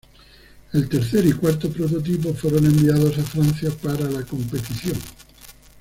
El tercer y cuarto prototipo fueron enviados a Francia para la competición.